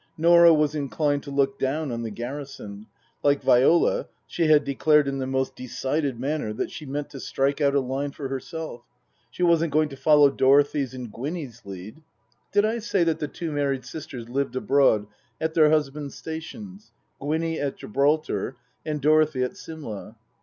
Norah was inclined to look down on the garrison ; like Viola, she had declared in the most decided manner that she meant to strike out a line for herself ; she wasn't going to follow Dorothy's and Gwinny's lead (did I say that the two married sisters lived abroad at their husbands' stations Gwinny at Gibraltar, and Dorothy at Simla